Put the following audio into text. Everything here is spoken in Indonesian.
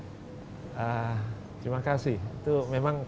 terima kasih itu memang